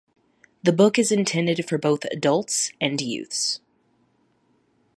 The book is intended for both adults and youths.